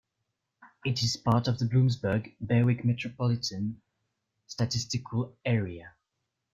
It is part of the Bloomsburg-Berwick Metropolitan Statistical Area.